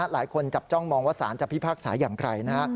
หลายคนจับจ้องมองว่าสารจะพิพากษาอย่างไรนะฮะ